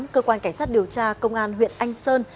cơ quan cảnh sát điều tra công an huyện anh sơn